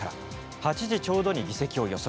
８時ちょうどに議席を予測。